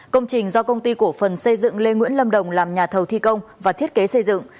công trình do công ty cổ phần xây dựng lê nguyễn lâm đồng làm nhà thầu thi công và thiết kế xây dựng